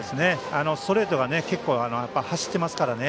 ストレートが結構、走っていますからね。